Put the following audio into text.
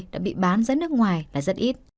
đã bị bán dẫn nước ngoài là rất ít